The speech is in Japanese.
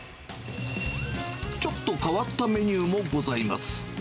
ちょっと変わったメニューもございます。